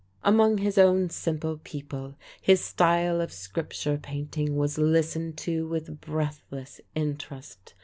Among his own simple people, his style of Scripture painting was listened to with breathless interest.